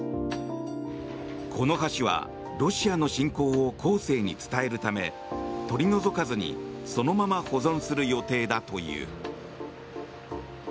この橋はロシアの侵攻を後世に伝えるため取り除かずにそのまま保存する予定だという。